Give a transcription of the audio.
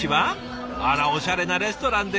あらおしゃれなレストランで。